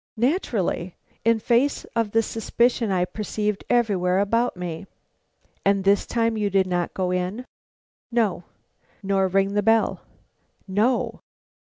"Naturally, in face of the suspicion I perceived everywhere about me." "And this time you did not go in?" "No." "Nor ring the bell?" "No."